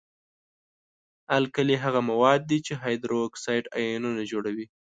القلي هغه مواد دي چې هایدروکساید آیونونه جوړوي.